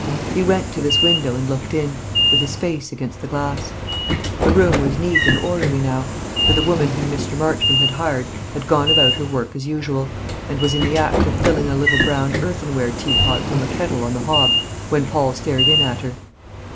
He went to this window and looked in, with his face against the glass. The room was neat and orderly now; for the woman whom Mr. Marchmont had hired had gone about her work as usual, and was in the act of filling a little brown earthenware teapot from a kettle on the hob when Paul stared in at her.